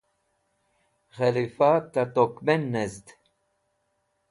khilifa ta tok ben nezd